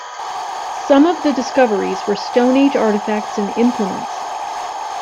Some of the discoveries were Stone Age artifacts and implements.